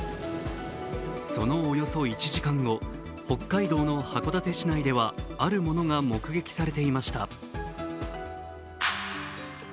そのおよそ１時間後、北海道の函館市内ではあるものが目撃されていました。